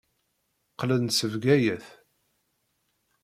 Qqlen-d seg Bgayet.